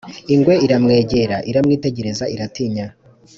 ingwe iramwegera, iramwitegereza iratinya